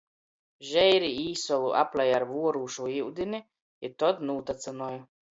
Žeirī īsolu aplej ar vuorūšu iudini i tod nūtacynoj.